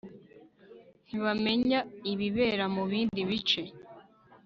ntibamenya ibibera mu bindi bice